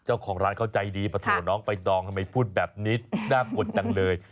เจ้าของร้านเขาใจดีปะโถน้องใบตองทำไมพูดแบบนี้น่ากลัวจังเลย